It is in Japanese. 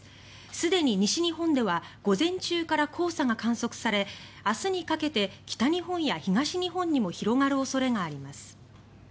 すでに西日本では午前中から黄砂が観測され明日にかけて北日本や東日本にも広がる恐れがあります。